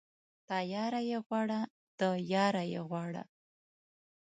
تياره يې غواړه ، د ياره يې غواړه.